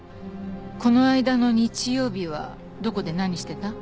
この間の日曜日はどこで何してた？